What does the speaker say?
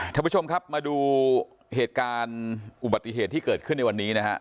ท่านผู้ชมครับมาดูเหตุการณ์อุบัติเหตุที่เกิดขึ้นในวันนี้นะฮะ